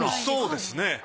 そうですね。